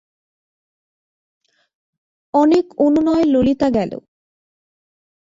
অনেক অনুনয়ে ললিতা গেল।